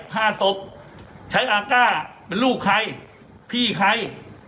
ห้าศพใช้อากาศเป็นลูกใครพี่ใคร